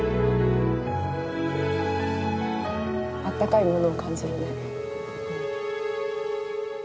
あったかいものを感じるね。